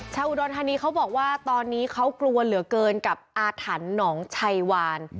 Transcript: อุดรธานีเขาบอกว่าตอนนี้เขากลัวเหลือเกินกับอาถรรพ์หนองชัยวาน